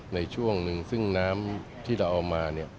ในช่วงหนึ่งซึ่งน้ำที่เราเอามาเนี่ย